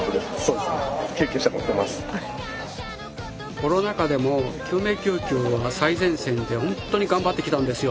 コロナ禍でも救命救急は最前線でほんとに頑張ってきたんですよ。